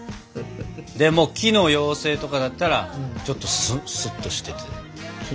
でも木の妖精とかだったらちょっとスッとしてて。